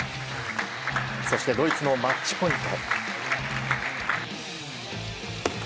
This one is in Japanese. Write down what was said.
そしてドイツのマッチポイント。